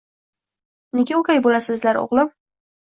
— Nega o'gay bo'lasizlar, o'g'lim?